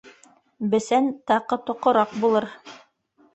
Бесән таҡы-тоҡораҡ булыр.